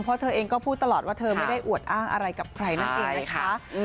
เพราะเธอเองก็พูดตลอดว่าเธอไม่ได้อวดอ้างอะไรกับใครนั่นเองนะคะ